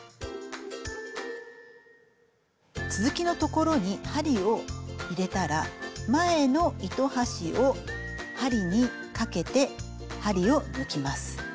続きの所に針を入れたら前の糸端を針にかけて針を抜きます。